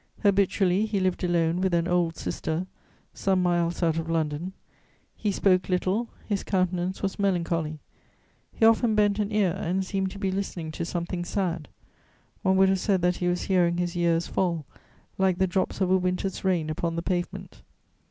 Habitually he lived alone with an old sister, some miles out of London. He spoke little; his countenance was melancholy; he often bent an ear and seemed to be listening to something sad: one would have said that he was hearing his years fall, like the drops of a winter's rain upon the pavement.